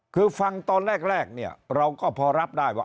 คือฟังตอนแรกเนี่ยเราก็พอรับได้ว่า